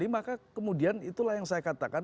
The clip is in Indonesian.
maka kemudian itulah yang saya katakan